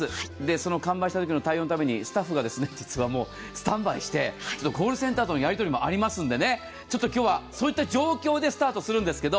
その完売したときの対応のためにスタッフがスタンバイしてコールセンターとのやりとりもありますので、今日はそういった状況でスタートするんですけど。